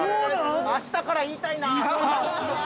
◆あしたから言いたいなあ。